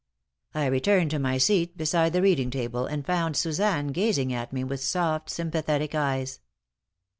I returned to my seat beside the reading table and found Suzanne gazing at me with soft, sympathetic eyes.